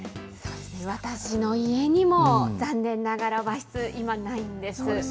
私の家にも残念ながら和室、今ないんです。